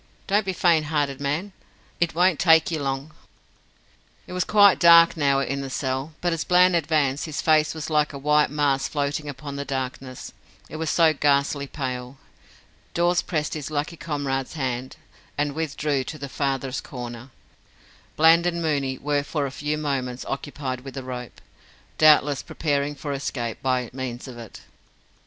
don't be faint hearted, man. It won't take ye long." It was quite dark now in the cell, but as Bland advanced his face was like a white mask floating upon the darkness, it was so ghastly pale. Dawes pressed his lucky comrade's hand, and withdrew to the farthest corner. Bland and Mooney were for a few moments occupied with the rope doubtless preparing for escape by means of it.